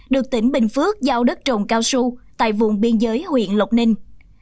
được tỉnh bình phước giao đất trồng cao su tại vùng biên giới huyện lộc ninh